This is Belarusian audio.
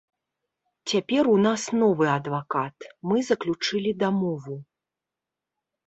Цяпер у нас новы адвакат, мы заключылі дамову.